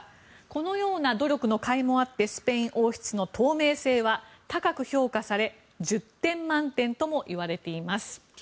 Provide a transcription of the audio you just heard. このような努力のかいもあってスペイン王室の透明性は高く評価され１０点満点とも言われています。